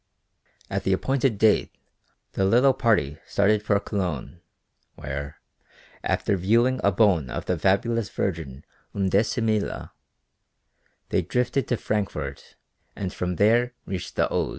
At the appointed date the little party started for Cologne, where, after viewing a bone of the fabulous virgin Undecemilla, they drifted to Frankfort and from there reached the Oos.